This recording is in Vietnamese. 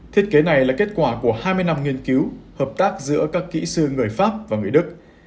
thiết kế này là kết quả của hai mươi năm nghiên cứu hợp tác giữa các kỹ sư người pháp và người đức